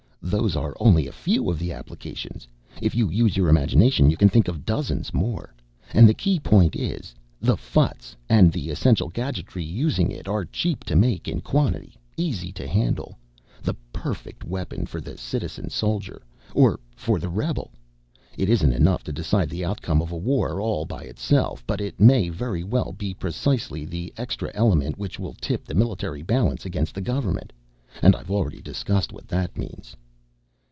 Those are only a few of the applications. If you use your imagination, you can think of dozens more. And the key point is the ffuts and the essential gadgetry using it are cheap to make in quantity, easy to handle the perfect weapon for the citizen soldier. Or for the rebel! It isn't enough to decide the outcome of a war all by itself, but it may very well be precisely the extra element which will tip the military balance against the government. And I've already discussed what that means."